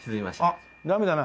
あっダメだな。